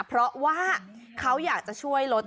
เพราะว่าเขาอยากจะช่วยลด